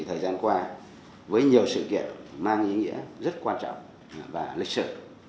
thời gian qua với nhiều sự kiện mang ý nghĩa rất quan trọng và lịch sử